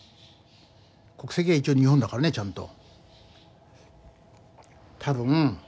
国籍は一応日本だからねちゃんと。